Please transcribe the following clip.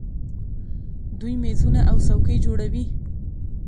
دوی میزونه او څوکۍ جوړوي.